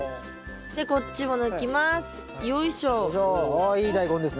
でこっちも抜きます。